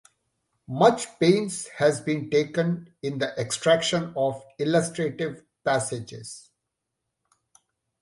Much pains has been taken in the extraction of illustrative passages.